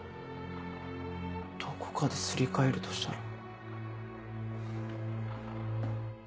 どこかですり替えるとしたら。